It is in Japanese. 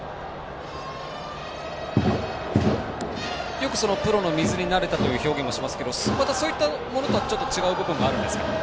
よく、プロの水に慣れたという表現をしますがそういったものとは違う部分があるんですか？